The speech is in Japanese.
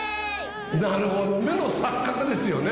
なるほど目の錯覚ですよね。